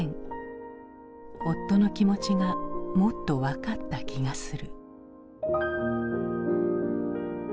夫の気持ちがもっと分かった気がする。